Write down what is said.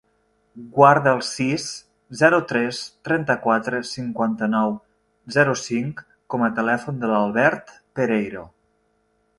Guarda el sis, zero, tres, trenta-quatre, cinquanta-nou, zero, cinc com a telèfon de l'Albert Pereiro.